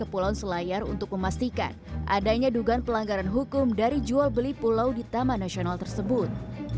kepulauan selayar untuk memastikan adanya dugaan pelanggaran hukum dari jual beli pulau di taman nasional tersebut